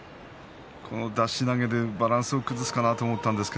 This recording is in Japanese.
出し投げでバランスを崩すかと思ったんですが